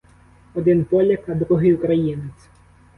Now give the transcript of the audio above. Один поляк, а другий українець.